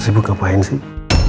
sibuk ngapain sih